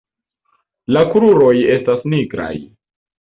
La kruroj estas nigraj.